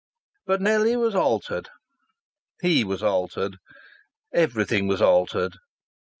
But Nellie was altered; he was altered; everything was altered.